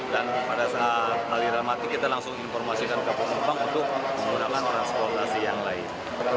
dan pada saat aliran mati kita langsung informasikan ke penumpang untuk menggunakan transportasi yang lain